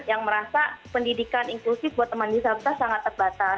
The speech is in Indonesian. yang merasa pendidikan inklusif buat teman disabilitas sangat terbatas